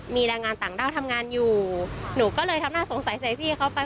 มีแรงงานต่างด้าวทำงานอยู่หนูก็เลยทำหน้าสงสัยใส่พี่เขาไป